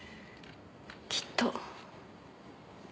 きっと。